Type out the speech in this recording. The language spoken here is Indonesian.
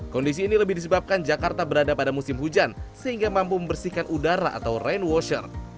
kondisi ini lebih disebabkan jakarta berada pada musim hujan sehingga mampu membersihkan udara atau rain washir